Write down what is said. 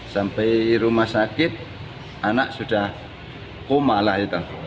sampai rumah sakit anak sudah koma lah